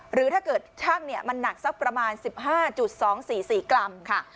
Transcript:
หรือถ้าเกิดช่างมันหนักสักประมาณ๑๕๒๔๔กรัมค่ะ